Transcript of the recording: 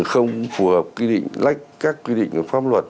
không phù hợp quy định lách các quy định của pháp luật